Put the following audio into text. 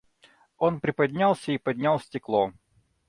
Он приподнялся и поднял стекло.